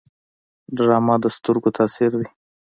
ډرامه د سترګو تاثیر دی